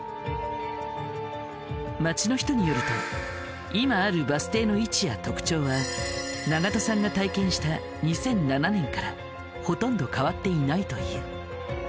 町の人によると今あるバス停の位置や特徴は長門さんが体験した２００７年からほとんど変わっていないという。